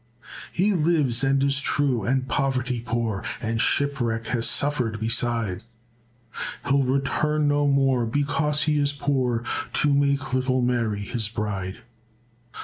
"He lives and is true and poverty poor, And shipwreck has suffered beside; He'll return no more, because he is poor, To make little Mary his bride."